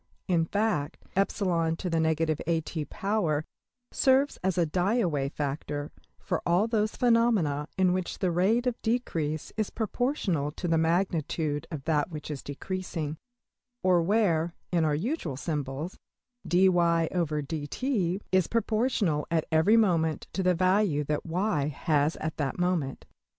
In fact $\epsilon^{ at}$ serves as a \emph{die away factor} for all those phenomena in which the rate of decrease is proportional to the magnitude of that which is decreasing; or where, in our usual symbols, $\dfrac{dy}{dt}$~is proportional at every moment to the value that~$y$ has at that moment.